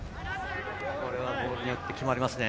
ボールによって決まりますね。